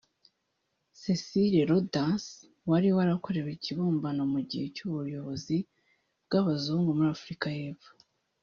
Cecil Rhodes wari warakorewe ikibumbano mu gihe cy’ubuyobozi bw’Abazungu muri Afurika y’Epfo